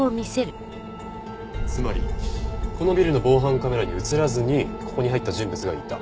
つまりこのビルの防犯カメラに映らずにここに入った人物がいた。